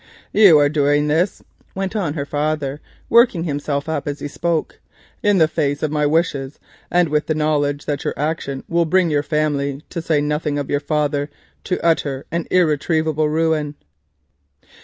"You are doing this," went on her father, working himself up as he spoke, "in the face of my wishes, and with a knowledge that your action will bring your family, to say nothing of your father, to utter and irretrievable ruin."